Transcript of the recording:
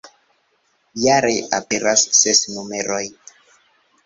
Jare aperas ses numeroj.